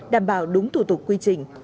đảm bảo đúng thủ tục quy trình